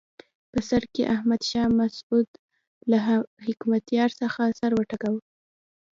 په سر کې احمد شاه مسعود له حکمتیار څخه سر وټکاوه.